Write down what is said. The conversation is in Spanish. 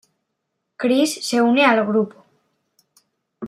Chris se une al grupo.